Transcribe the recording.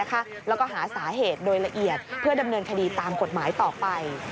แล้วก็หาสาเหตุโดยละเอียดเพื่อดำเนินคดีตามกฎหมายต่อไป